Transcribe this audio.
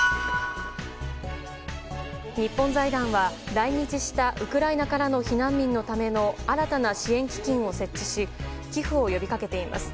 日本財団は来日したウクライナからの避難民のための新たな支援基金を設置し寄付を呼び掛けています。